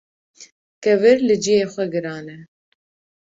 Kevir li cihê xwe giran e